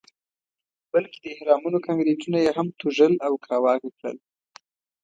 بلکې د اهرامونو کانکریټونه یې هم توږل او کاواکه کړل.